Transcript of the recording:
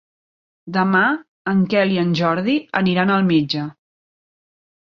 Demà en Quel i en Jordi aniran al metge.